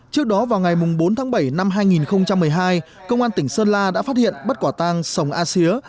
trước đó vào ngày bốn tháng bảy năm hai nghìn một mươi hai công an tỉnh sơn la đã phát hiện bất quả tăng sồng asia